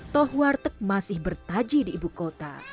toh warteg masih bertaji di ibu kota